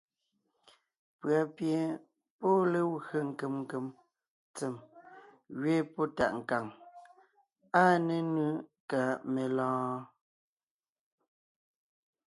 Pʉ̀a pie pɔ́ ée legwé nkem nkem tsem ngẅeen pɔ́ tàʼ nkàŋ. Áa nénʉ ka melɔ̀ɔn?